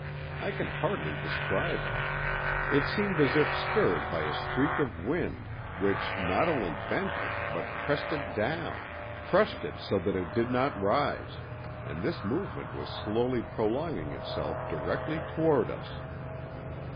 I can hardly describe it. It seemed as if stirred by a streak of wind, which not only bent it, but pressed it down—crushed it so that it did not rise; and this movement was slowly prolonging itself directly toward us.